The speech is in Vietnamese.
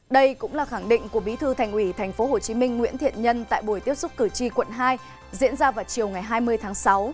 đây cũng là khẳng định của bí thư thành ủy tp hcm nguyễn thiện nhân tại buổi tiếp xúc cử tri quận hai diễn ra vào chiều ngày hai mươi tháng sáu